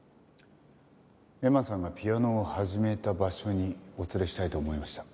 恵麻さんがピアノを始めた場所にお連れしたいと思いました。